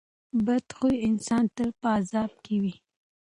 بد خویه انسان تل په عذاب کې وي.